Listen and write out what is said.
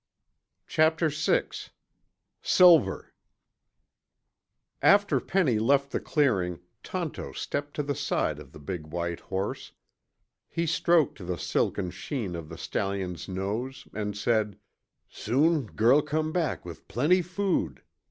Chapter VI SILVER After Penny left the clearing, Tonto stepped to the side of the big white horse. He stroked the silken sheen of the stallion's nose and said, "Soon girl come back with plenty food.